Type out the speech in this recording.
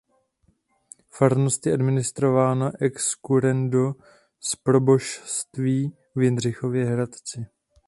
Farnost je administrována ex currendo z proboštství v Jindřichově Hradci.